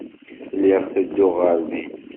Lliɣ tedduɣ ɣer din.